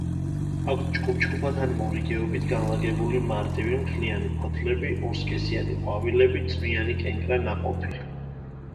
აქვთ ჯგუფ-ჯგუფად ან მორიგეობით განლაგებული მარტივი, მთლიანი ფოთლები, ორსქესიანი ყვავილები, წვნიანი კენკრა ნაყოფი.